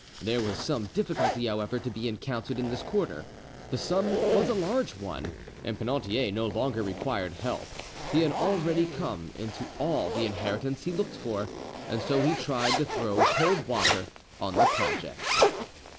There was some difficulty, however, to be encountered in this quarter. The sum was a large one, and Penautier no longer required help; he had already come into all the inheritance he looked for, and so he tried to throw cold water on the project.